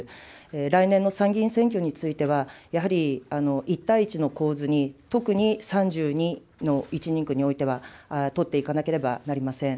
来年の参議院選挙については、やはり１対１の構図に、特に３２の１人区においては取っていかなければなりません。